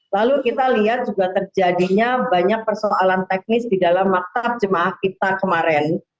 lalu kita lihat juga terjadinya banyak persoalan teknis di dalam maktab jemaah kita kemarin